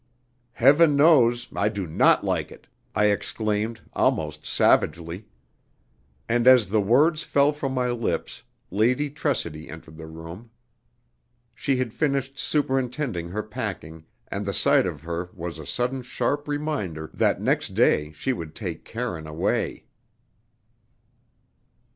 "Heaven knows I do not like it!" I exclaimed, almost savagely. And as the words fell from my lips Lady Tressidy entered the room. She had finished superintending her packing, and the sight of her was a sudden sharp reminder that next day she would take Karine away.